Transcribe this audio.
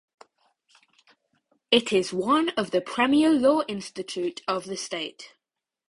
It is one of the premier law institute of the state.